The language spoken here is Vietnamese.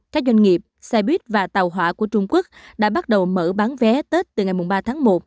các doanh nghiệp xe buýt và tàu hỏa của trung quốc đã bắt đầu mở bán vé tết từ ngày ba tháng một